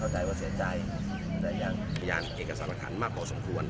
เข้าใจว่าเสียใจแต่ยังเอกสารขาดมากกว่าสมควร